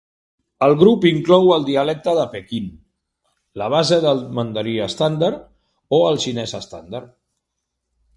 El grup inclou el dialecte de Pequín, la base del mandarí estàndard o el xinès estàndard.